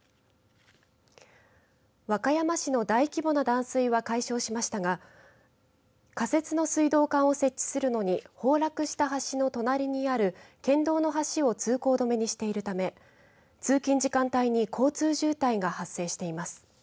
和歌山市の大規模な断水は解消しましたが仮設の水道管を設置するのに崩落した橋の隣にある県道の橋を通行止めにしているため通勤時間帯に交通渋滞が発生しています。